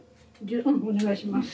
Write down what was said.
うんお願いします。